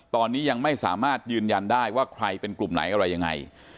ตอนนี้ยังไม่สามารถยืนยันได้ว่าใครเป็นกลุ่มไหนอะไรยังไง